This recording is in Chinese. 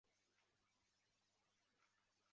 创始人还希望鼓励女性接受高等教育。